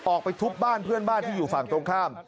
ออกไปทุบบ้านเพื่อนบ้านที่อยู่ฝั่งตรงข้าม